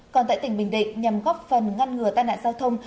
còn tại tỉnh bình định nhằm góp phần ngăn ngừa tai nạn giao thông